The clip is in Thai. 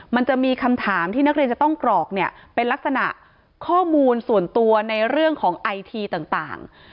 มันจะมีคำถามที่นักเรียนจะต้องกรอกเนี่ยเป็นลักษณะข้อมูลส่วนตัวในเรื่องของไอทีต่าง